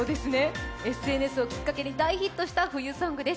ＳＮＳをきっかけに大ヒットした冬ソングです。